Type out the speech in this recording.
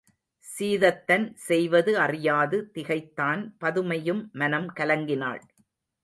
சீதத்தன் செய்வது அறியாது திகைத்தான் பதுமையும் மனம் கலங்கினாள்.